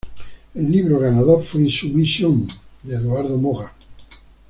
El libro ganador fue Insumisión de Eduardo Moga.